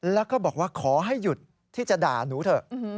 แล้วก็บอกว่าขอให้หยุดที่จะด่าหนูเถอะ